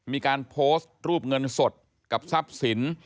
มีการโพสต์รูปเงินสดกับทรัพย์สิน